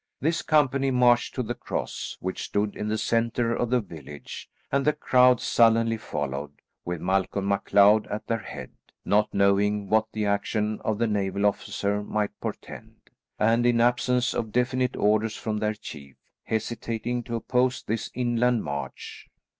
This company marched to the cross, which stood in the centre of the village, and the crowd sullenly followed, with Malcolm MacLeod at their head, not knowing what the action of the naval officer might portend, and in absence of definite orders from their chief, hesitating to oppose this inland march.